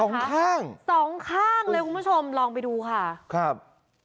สองข้างสองข้างเลยคุณผู้ชมลองไปดูค่ะครับ